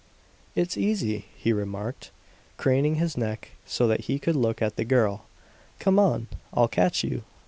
"It's easy," he remarked, craning his neck so that he could look at the girl. "Come on; I'll catch you!"